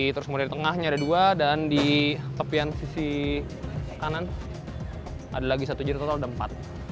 terus kemudian di tengahnya ada dua dan di tepian sisi kanan ada lagi satu jadi total ada empat